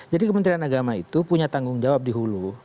jadi kementerian agama itu punya tanggung jawab dihulu